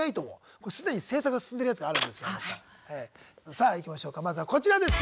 さあいきましょうかまずはこちらです。